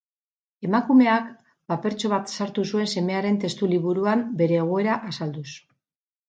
Emakumeak papertxo bat sartu zuen semearen testu liburuan bere egoera azalduz.